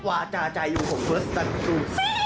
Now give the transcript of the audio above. วาจาใจอยู่ผมเพื่อสนับสนุน